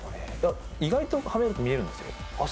意外とはめると見えるんですよあっ